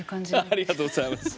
ありがとうございます。